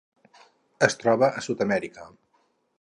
Es troba a Sud-amèrica.